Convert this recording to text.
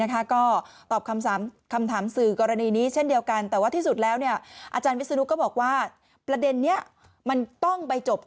ก็ตอบคำถามสื่อกรณีนี้เช่นเดียวกัน